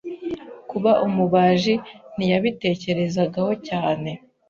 Kuba umubaji ntiyabitekerezagaho cyane